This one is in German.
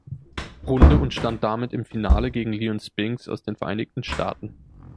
Runde und stand damit im Finale gegen Leon Spinks aus den Vereinigten Staaten.